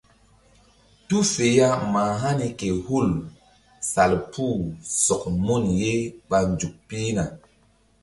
Tu fe ya ma hani ke hul salpu sɔk mun ye ɓa nzuk pihna.